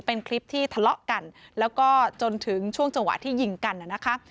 เป็นคลิปที่ทะเลาะกันแล้วก็จนถึงช่วงจังหวะที่ยิงกันน่ะนะคะ